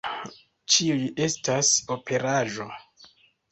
Ĉiuj estas operaĵo.